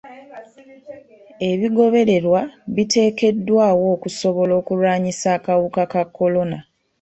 Ebigobererwa biteekeddwawo okusobola okulwanyisa akawuka ka kolona.